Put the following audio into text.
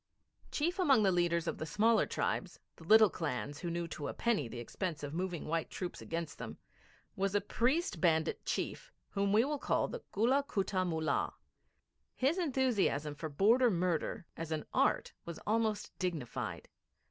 Chief among the leaders of the smaller tribes the little clans who knew to a penny the expense of moving white troops against them was a priest bandit chief whom we will call the Gulla Kutta Mullah. His enthusiasm for border murder as an art was almost dignified.